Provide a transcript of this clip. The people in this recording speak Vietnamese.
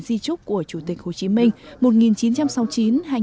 di trúc của chủ tịch hồ chí minh một nghìn chín trăm sáu mươi chín hai nghìn một mươi